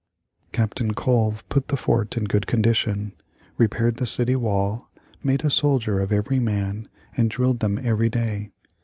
Captain Colve put the fort in good condition, repaired the city wall, made a soldier of every man and drilled them every day.